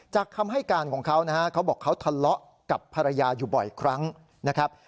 คำให้การของเขานะฮะเขาบอกเขาทะเลาะกับภรรยาอยู่บ่อยครั้งนะครับ